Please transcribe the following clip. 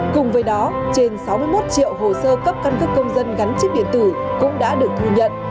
cùng với đó trên sáu mươi một triệu hồ sơ cấp căn cước công dân gắn chip điện tử cũng đã được thu nhận